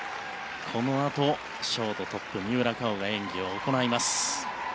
このあとショートトップ三浦佳生が演技を行います。